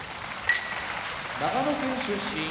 長野県出身